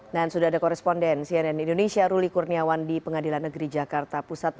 dan sudah ada koresponden cnn indonesia ruli kurniawan di pengadilan negeri jakarta pusat